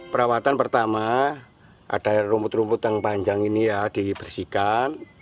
perawatan pertama ada rumput rumput yang panjang ini ya dibersihkan